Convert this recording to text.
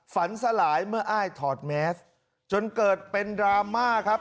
สลายเมื่ออ้ายถอดแมสจนเกิดเป็นดราม่าครับ